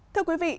thưa quý vị